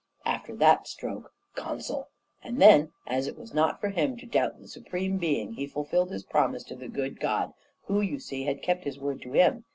After that stroke consul! And then, as it was not for him to doubt the Supreme Being, he fulfilled his promise to the good God, who, you see, had kept His word to him.